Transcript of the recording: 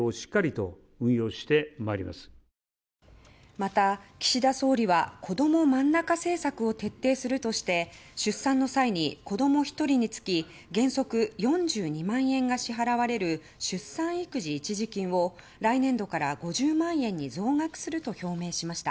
また、岸田総理はこどもまんなか政策を徹底するとして出産の際に、子供１人につき原則４２万円が支払われる出産育児一時金を来年度から５０万円に増額すると表明しました。